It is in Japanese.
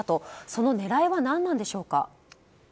その狙いは何なんでしょうか。